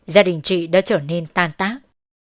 gia đình chị đã trở nên tan tác